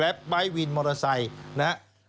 แบบบ้ายวินมอเตอร์ไซค์นะฮะ